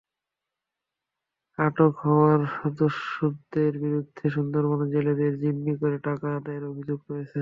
আটক হওয়া দস্যুদের বিরুদ্ধে সুন্দরবনে জেলেদের জিম্মি করে টাকা আদায়ের অভিযোগ রয়েছে।